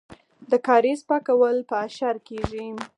د کاریز پاکول په اشر کیږي.